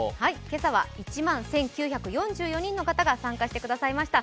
今朝は１万１９４４人の方が参加してくださいました。